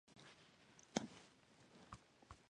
「急がば回れ」って言うし、ここは焦らず慎重に行動しようか。